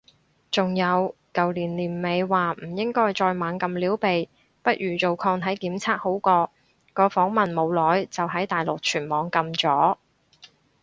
仲有舊年年尾話唔應該再猛咁撩鼻，不如做抗體檢測好過，個訪問冇耐就喺大陸全網禁咗